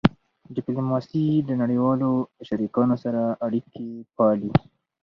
ډیپلوماسي د نړیوالو شریکانو سره اړیکې پالي.